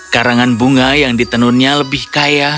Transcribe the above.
karangan bunga yang ditenunnya lebih kaya